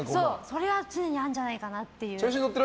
それは常にあるんじゃないかと。